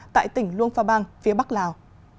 tại tỉnh luông pha bang phía bắc lào